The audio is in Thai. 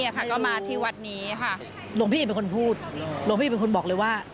หลวงพ่ออิฐเป็นคนบอกเลยว่า